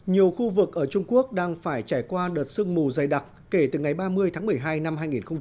nhiều khu vực ở trung quốc đang phải trải qua đợt sương mù dày đặc kể từ ngày ba mươi tháng một mươi hai năm hai nghìn một mươi chín